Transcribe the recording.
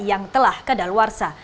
yang telah ke dalwarsa